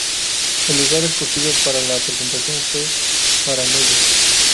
El lugar escogido para la presentación fue Maranello.